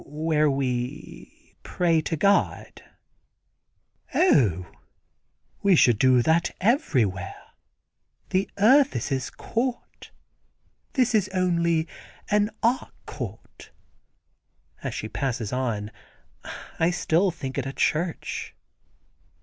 "Where we pray to God." "Oh, we should do that everywhere. The earth is His court. This is only an Arc court," as she passes on. I still think it a church.